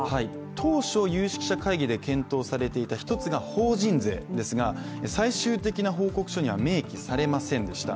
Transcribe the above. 当初、有識者会議で検討されていた一つが法人税ですが最終的な報告書には明記されませんでした。